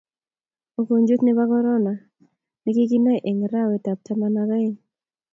ukojwet nebo korona ne kikinai eng arawet ab taman ak ieng